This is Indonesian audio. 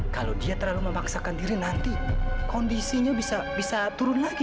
kalau dia terlalu memaksakan diri nanti kondisinya bisa turun lagi